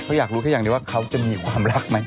เขาอยากรู้แค่อย่างเดียวว่าเขาจะมีความรักไหม